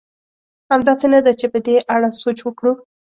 همداسې نه ده؟ چې په دې اړه سوچ وکړو.